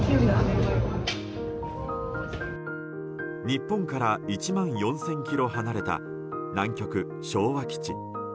日本から１万４０００ｋｍ離れた南極昭和基地。